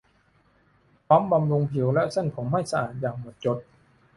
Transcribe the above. พร้อมบำรุงผิวและเส้นผมให้สะอาดอย่างหมดจด